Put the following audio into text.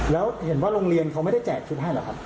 แล้วเห็นว่าโรงเรียนเขาไม่ได้แจกชุดให้หรอกครับ